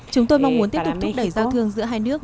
chúng tôi mong muốn tiếp tục thúc đẩy giao thương giữa hai nước